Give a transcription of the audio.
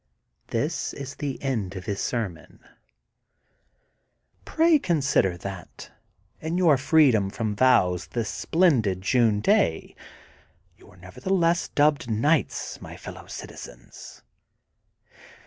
This is the end of his sermon :— Pray consider that, in your freedom from vows this splendid June day, you are never theless dubbed knights, my fellow citizens.